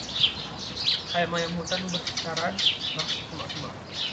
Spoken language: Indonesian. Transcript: ayam-ayam hutan bersesaran masuk semak-semak